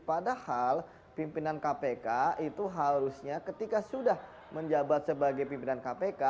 padahal pimpinan kpk itu harusnya ketika sudah menjabat sebagai pimpinan kpk